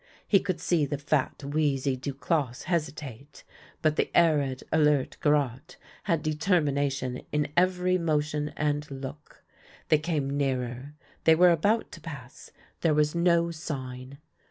He could see the fat, wheezy Duclosse hesi tate, but the arid, alert Garotte had determination in every motion and look. They came nearer ; they were about to pass ; there was no sign.